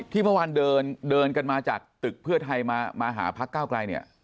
ที่เมื่อวานเดินกันมาจากตึกเพื่อไทยมาหาพักก้าวไกลเนี่ย